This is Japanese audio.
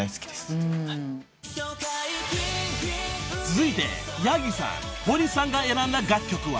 ［続いて八木さん堀さんが選んだ楽曲は］